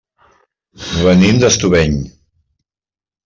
Venim d'Estubeny.